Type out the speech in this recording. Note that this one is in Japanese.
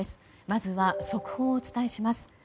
まずは、速報をお伝えします。